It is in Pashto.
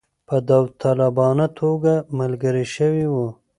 په داوطلبانه توګه ملګري شوي وه.